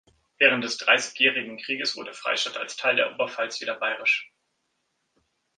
Während des Dreißigjährigen Krieges wurde Freystadt als Teil der Oberpfalz wieder bayerisch.